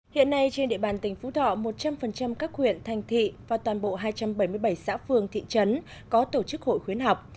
hiện nay trên địa bàn tỉnh phú thọ một trăm linh các huyện thành thị và toàn bộ hai trăm bảy mươi bảy xã phường thị trấn có tổ chức hội khuyến học